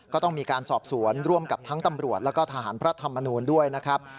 ก็ต้องมีการสอบสวนร่วมกับทั้งตำรวจแล้วก็ทหารพระธรรมนูลด้วยนะครับ